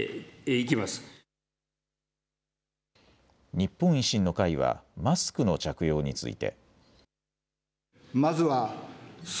日本維新の会はマスクの着用について。